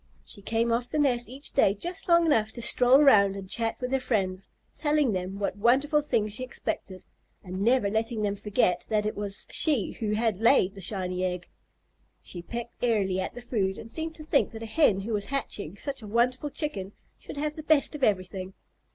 She came off the nest each day just long enough to stroll around and chat with her friends, telling them what wonderful things she expected, and never letting them forget that it was she who had laid the shiny egg. She pecked airily at the food, and seemed to think that a Hen who was hatching such a wonderful Chicken should have the best of everything.